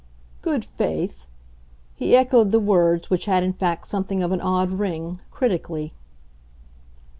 "Good faith?" he echoed the words, which had in fact something of an odd ring, critically.